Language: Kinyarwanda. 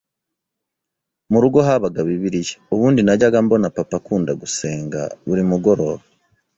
Murugo habaga Bibiliya, ubundi najyaga mbona Papa akunda gusenga buri mugoroba,